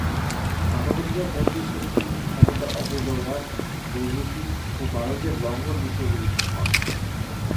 মানবাধিকার মন্ত্রী হিসেবে তিনি ক্ষমতার অপব্যবহার, দুর্নীতি ও মানবাধিকার লঙ্ঘন বিষয়ে অভিযুক্ত হন।